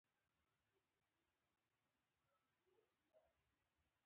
د سندرې شعر د لوی افغانستان سیمې یادولې